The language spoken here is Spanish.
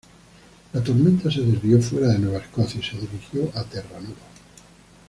La tormenta se desvió fuera de Nueva Escocia y se dirigió a Terranova.